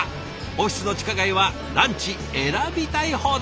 オフィスの地下街はランチ選びたい放題！